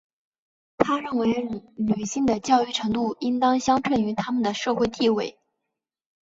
她认为女性的教育程度应当相称于她们的社会地位。